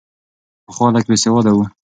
پخوا خلک بې سواده وو.